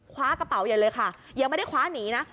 คว้ากระเป๋าใหญ่เลยค่ะยังไม่ได้คว้าหนีนะ